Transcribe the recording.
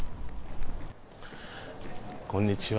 こんにちは。